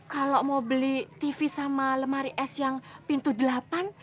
kalau mau beli tv sama lemari es yang pintu delapan